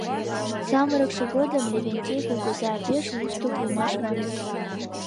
Самырыкше годым Левентей кугыза пеш вустык улмаш маныт.